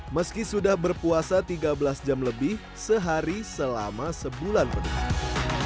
meski sudah berpuasa tiga belas jam lebih sehari selama sebulan penuh